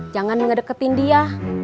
jangan ngedeketin dia